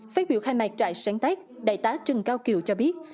phát biểu khai mạc trại sáng tác đại tá trần cao kiều cho biết